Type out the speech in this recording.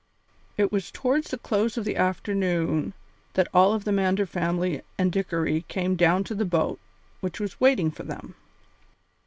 It was towards the close of the afternoon that all of the Mander family and Dickory came down to the boat which was waiting for them.